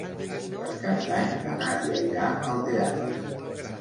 Per Cap d'Any na Nàdia irà al teatre.